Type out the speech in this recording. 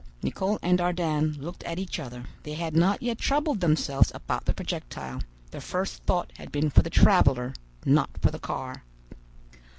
Nicholl and Ardan looked at each other; they had not yet troubled themselves about the projectile; their first thought had been for the traveler, not for the car.